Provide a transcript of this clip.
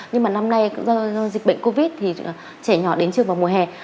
nhưng mà năm nay do dịch bệnh covid thì trẻ nhỏ đến trường vào mùa hè